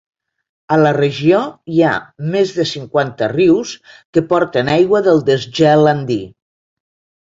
A la regió hi ha més de cinquanta rius que porten aigua del desgel andí.